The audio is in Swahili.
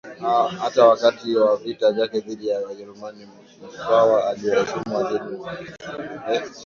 Hata wakati wa vita vyake dhidi ya Wajerumani Mkwawa aliwaheshimu wageni wake h